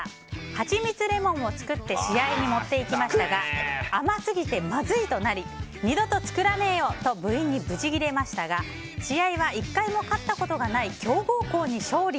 はちみつレモンを作って試合に持っていきましたが甘すぎてまずいとなり二度と作らねえよ！と部員にブチギレましたが試合は１回も勝ったことがない強豪校に勝利。